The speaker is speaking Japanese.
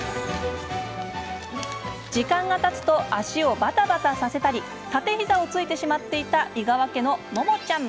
時間がたつと足をバタバタさせたり立て膝をついてしまっていた井川家のももちゃん。